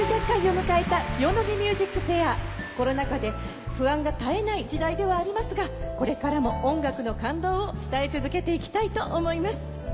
２，９００回を迎えた『ＳＨＩＯＮＯＧＩＭＵＳＩＣＦＡＩＲ』コロナ禍で不安が絶えない時代ではありますがこれからも音楽の感動を伝え続けていきたいと思います。